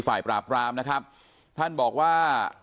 ปราบรามนะครับท่านบอกว่า